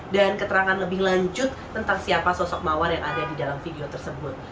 dan keterangan lebih lanjut tentang siapa sosok mawar yang ada di dalam video tersebut